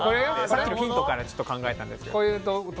さっきのヒントから考えたんですけど。